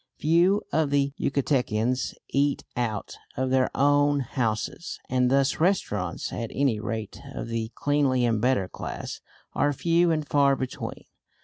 Few of the Yucatecans eat out of their own houses, and thus restaurants at any rate of the cleanly and better class are few and far between.